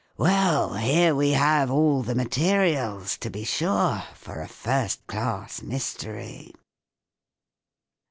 " Well, here we have all the materials, to be sure, for a first class mystery